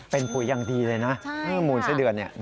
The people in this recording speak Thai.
เป็นปุ๋ยังดีเลยนะใช่ค่ะมูลไส้เดือนเนี่ย